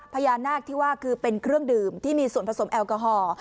พญานาคที่ว่าคือเป็นเครื่องดื่มที่มีส่วนผสมแอลกอฮอล์